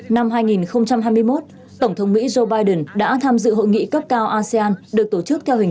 năm hai nghìn hai mươi một tổng thống mỹ joe biden đã tham dự hội nghị cấp cao asean được tổ chức theo hình